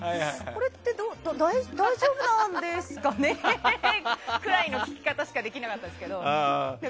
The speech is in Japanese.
これって大丈夫なんですかね？くらいの聞き方しかできなかったですけど。